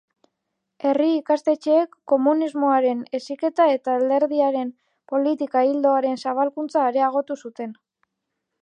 Herri-ikastetxeek komunismoaren heziketa eta Alderdiaren politika-ildoaren zabalkuntza areagotu zuten.